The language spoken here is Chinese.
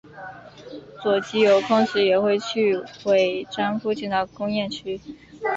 佐吉有空时也会去尾张附近的工业区。